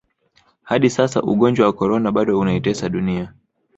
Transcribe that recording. hadi sasa ugonjwa wa Corona bado unaitesa dunia